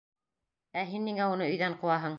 Ә һин ниңә уны өйҙән ҡыуаһың?